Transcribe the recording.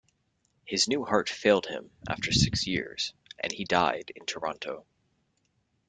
His new heart failed him after six years and he died in Toronto.